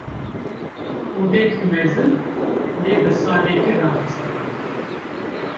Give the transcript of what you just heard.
Odeke mezin; lê bi sadegî raxistî.